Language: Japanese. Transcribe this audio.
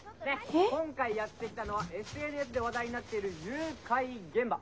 「今回やって来たのはＳＮＳで話題になっている誘拐現場！